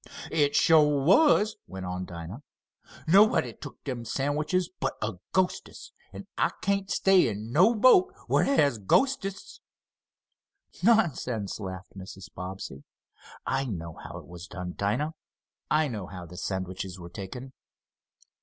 "It shuah was," went on Dinah. "Nobody took dem sandwiches, but a ghostest, an' I can't stay in no boat what has ghostests." "Nonsense!" laughed Mrs. Bobbsey. "I know how it was done, Dinah. I know how the sandwiches were taken."